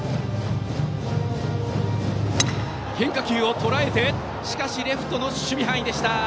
変化球をとらえたがレフトの守備範囲でした。